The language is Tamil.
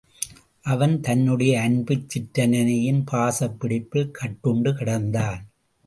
அவன் தன்னுடைய அன்புச் சிற்றன்னையின் பாசப்பிடிப்பில் கட்டுண்டு கிடந்தான்.